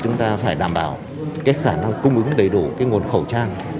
chúng ta phải đảm bảo khả năng cung ứng đầy đủ nguồn khẩu trang